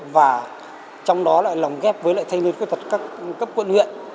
và trong đó lại lòng ghép với lại thanh niên khuyết tật cấp quận luyện